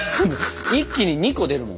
一気に２個出るもん。